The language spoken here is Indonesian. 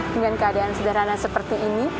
dengan keadaan sederhana seperti ini